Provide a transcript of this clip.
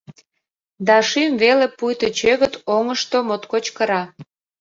Да шӱм веле, пуйто чӧгыт, оҥышто моткоч кыра.